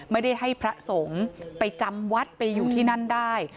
ไม่ได้ให้พระสงฆ์ไปจำวัดไปอยู่ที่นั่นได้